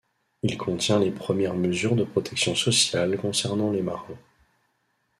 Il contient les premières mesures de protection sociale concernant les marins.